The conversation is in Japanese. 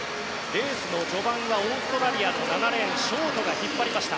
レースの序盤がオーストラリアのショートが引っ張りました。